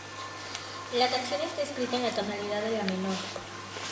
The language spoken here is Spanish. La canción está escrita en la tonalidad de la menor.